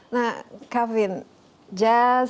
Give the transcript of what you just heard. nah kavin jazz